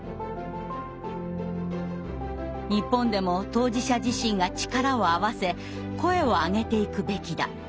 「日本でも当事者自身が力を合わせ声を上げていくべきだ。